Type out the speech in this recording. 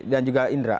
dan juga indra